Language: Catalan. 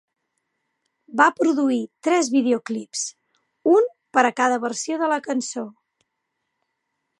Va produir tres videoclips, un per a cada versió de la cançó.